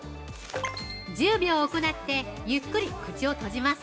◆１０秒行ってゆっくり口を閉じます。